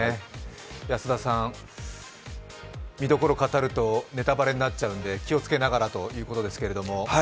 安田さん、見どころ語るとネタバレになっちゃうので気をつけながらということですけれども？